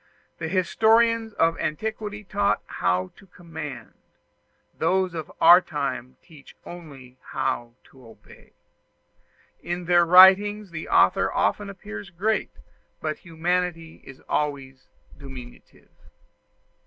The historians of antiquity taught how to command: those of our time teach only how to obey; in their writings the author often appears great, but humanity is always diminutive.